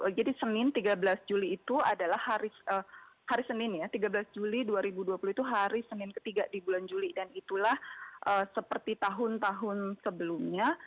jadi senin tiga belas juli itu adalah hari senin ya tiga belas juli dua ribu dua puluh itu hari senin ketiga di bulan juli dan itulah seperti tahun tahun sebelumnya